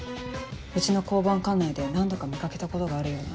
うちの交番管内で何度か見掛けたことがあるような。